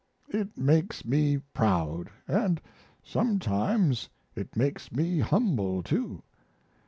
It makes me proud and sometimes it makes me humble, too.